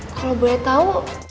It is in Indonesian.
kalau boleh tau